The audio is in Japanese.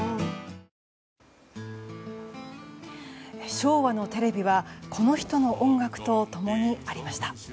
昭和のテレビはこの人の音楽と共にありました。